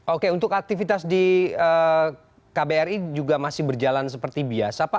oke untuk aktivitas di kbri juga masih berjalan seperti biasa pak